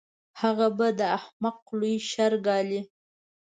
هغه به د احمق لوی شر ګالي.